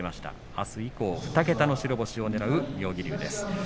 あす以降２桁の白星をねらう妙義龍です。